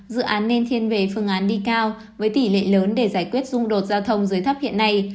dự án nên thiên về phương án đi cao với tỷ lệ lớn để giải quyết xung đột giao thông dưới thấp hiện nay